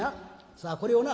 さあこれをな